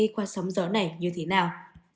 qua sóng gió này như thế nào